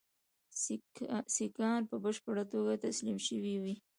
سیکهان په بشپړه توګه تسلیم شوي وي.